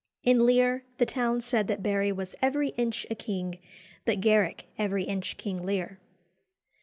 In Lear, the town said that Barry "was every inch a king" but Garrick "every inch King Lear."